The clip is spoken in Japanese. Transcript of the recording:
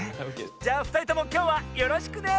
じゃあふたりともきょうはよろしくね！